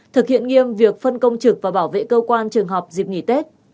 thực hiện nghiêm việc phân công trực và bảo vệ cơ quan trường học dịp nghỉ tết